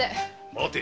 待て！